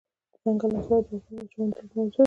دځنګل حاصلات د افغان ماشومانو د لوبو موضوع ده.